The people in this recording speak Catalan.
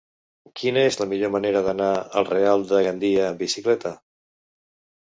Quina és la millor manera d'anar al Real de Gandia amb bicicleta?